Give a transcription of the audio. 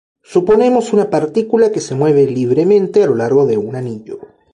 Suponemos una partícula que se mueve libremente a lo largo de un anillo.